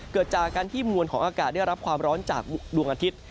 เกิดจากการที่มวลของอากาศได้รับความร้อนจากดวงอาทิตย์